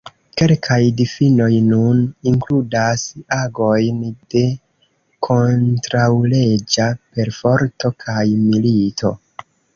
Kelkaj difinoj nun inkludas agojn de kontraŭleĝa perforto kaj milito.